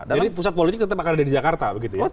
jadi pusat politik tetap akan ada di jakarta